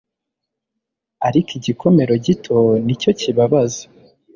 Ariko igikomere gito nicyo kibabaza